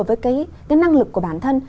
với cái năng lực của bản thân